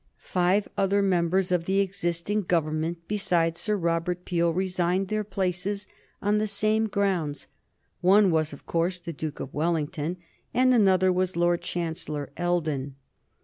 Five other members of the existing Government, besides Sir Robert Peel, resigned their places on the same grounds. One was, of course, the Duke of Wellington, and another was Lord Chancellor Eldon.